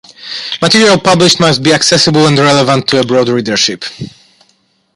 Material published must be accessible and relevant to a broad readership.